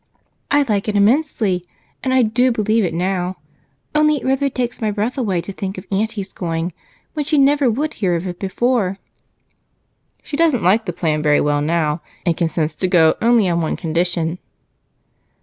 "I like it immensely, and do believe it now only it rather takes my breath away to think of Aunty's going, when she never would hear of it before." "She doesn't like the plan very well now and consents to go only on one condition."